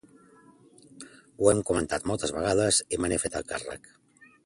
Ho hem comentat moltes vegades i me n'he fet el càrrec.